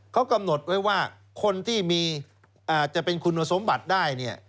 เขากำหนดไว้ว่าคนที่มีจะเป็นคุณสมบัติได้เนี่ย